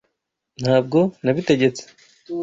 Ntabwo nabitegetse.